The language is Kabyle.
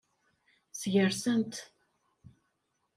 Sgersen-t.